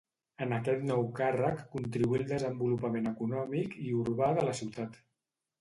En aquest nou càrrec contribuí al desenvolupament econòmic i urbà de la ciutat.